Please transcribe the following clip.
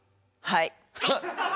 はい。